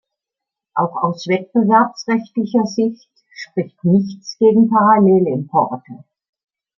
Auch aus wettbewerbsrechtlicher Sicht spricht nichts gegen Parallelimporte.